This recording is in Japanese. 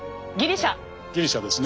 ギリシャですね。